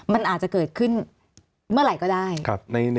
มันอาจจะเกิดขึ้นเมื่อไหร่ก็ได้